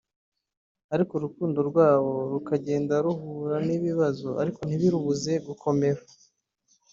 ariko urukundo rwabo rukagenda ruhura n’ibibazo ariko ntibirubuze gukomera